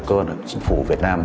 cơ hội chính phủ việt nam